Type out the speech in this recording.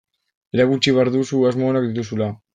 Erakutsi behar duzu asmo onak dituzula.